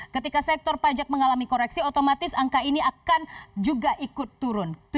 ketika sektor pajak mengalami koreksi otomatis angka ini akan juga ikut turun